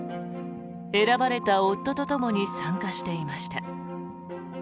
選ばれた夫とともに参加していました。